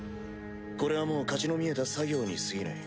これはもう勝ちの見えた作業に過ぎない。